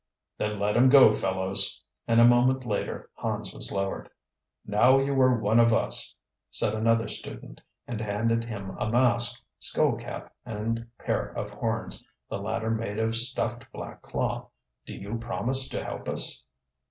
"Then let him go, fellows," and a moment later Hans was lowered. "Now you are one of us," said another student, and handed him a mask, skull cap and pair of horns, the latter made of stuffed black cloth. "Do you promise to help us"?